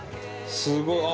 すごい。